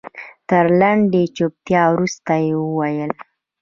تر لنډې چوپتيا وروسته يې وويل.